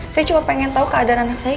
saya cuma pengen tahu keadaan anak saya